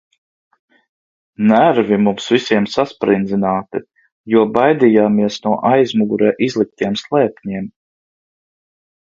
Nervi mums visiem sasprindzināti, jo baidījāmies no aizmugurē izliktiem slēpņiem.